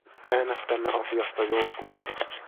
Äänestämme asiasta joulukuussa.